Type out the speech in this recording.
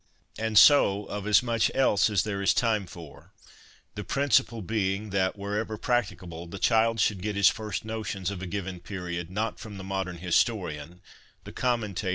And so of as much else as there is time for ; the principle being, that, wherever practicable, the child should get his first notions of a given period, not from the modern historian, the commentator and 1 Bohn's Antiquarian Library (53.